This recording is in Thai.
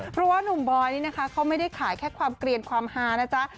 เพราะว่านุ่มบอยนี่นะคะเขาไม่ได้ขายแค่ความเกลียนความฮานะจ๊ะ